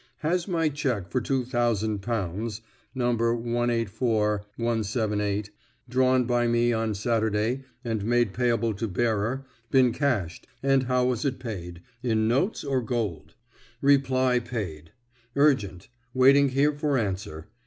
Has my cheque for two thousand pounds (No. 134,178), drawn by me on Saturday, and made payable to bearer, been cashed, and how was it paid, in notes or gold? Reply paid. Urgent. Waiting here for answer.